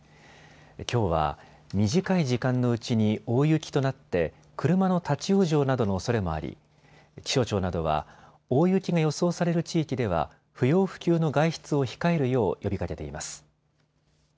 きょうは短い時間のうちに大雪となって車の立往生などのおそれもあり気象庁などは大雪が予想される地域では不要不急の外出を控えるよう呼びかけています。